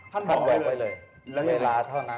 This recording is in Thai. ท่านออกแล้ว